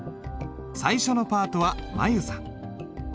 最初のパートは舞悠さん。